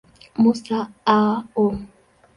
Musa, A. O.